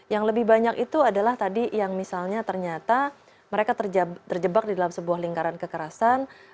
yang lebih banyak itu adalah tadi yang misalnya ternyata mereka terjebak di dalam sebuah lingkaran kekerasan